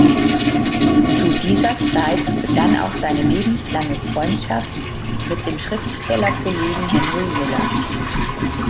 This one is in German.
Zu dieser Zeit begann auch seine lebenslange Freundschaft mit dem Schriftstellerkollegen Henry Miller.